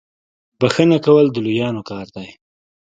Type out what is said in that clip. بخښنه کول د لویانو کار دی.